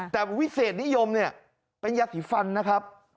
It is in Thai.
แต่วิเศษนิยมเนี่ยเป็นยาสีฟันนะครับ